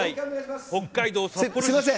北海道札幌市出身。